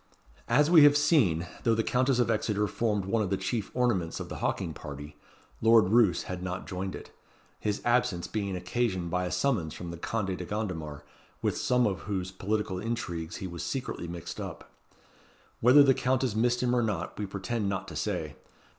As we have seen, though the Countess of Exeter formed one of the chief ornaments of the hawking party, Lord Roos had not joined it; his absence being occasioned by a summons from the Conde de Gondomar, with some of whose political intrigues he was secretly mixed up. Whether the Countess missed him or not, we pretend not to say.